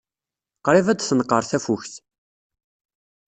Qrib ad d-tenqer tafukt.